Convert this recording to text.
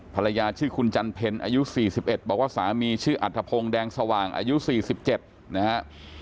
ภรรยาชื่อคุณจันเพ็ญอายุ๔๑บอกว่าสามีชื่ออัธพงศ์แดงสว่างอายุ๔๗นะฮะ